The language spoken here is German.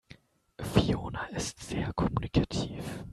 Fiona ist sehr kommunikativ.